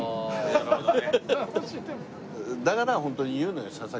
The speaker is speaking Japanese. なるほどね。